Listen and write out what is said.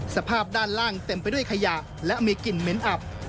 สภาพด้านล่างเต็มไปด้วยขยะและมีกลิ่นเหม็นอับ